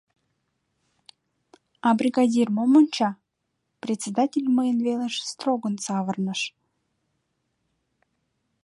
А бригадир мом онча? — председатель мыйын велыш строгын савырныш.